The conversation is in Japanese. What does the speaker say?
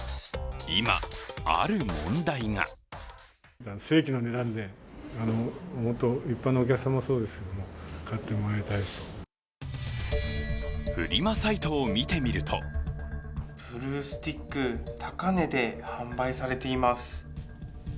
今、ある問題がフリマサイトを見てみるとブルースティック、高値で販売されています。